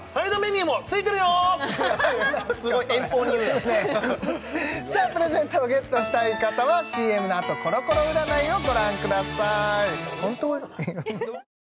それさあプレゼントをゲットしたい方はＣＭの後コロコロ占いをご覧ください